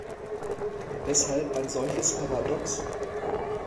Weshalb ein solches Paradox?